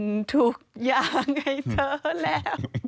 ทุกอย่างให้เธอแล้ว